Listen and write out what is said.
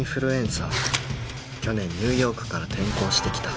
去年ニューヨークから転校してきた